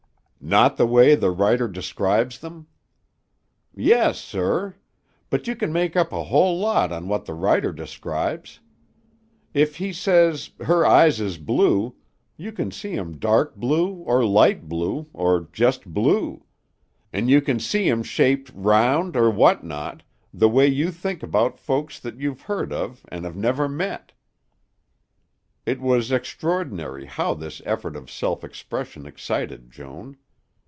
"Not the way the writer describes them?" "Yes, sir. But you can make up a whole lot on what the writer describes. If he says 'her eyes is blue'; you can see 'em dark blue or light blue or jest blue. An' you can see 'em shaped round or what not, the way you think about folks that you've heard of an' have never met." It was extraordinary how this effort at self expression excited Joan.